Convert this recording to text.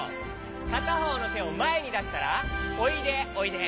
かたほうのてをまえにだしたら「おいでおいで」。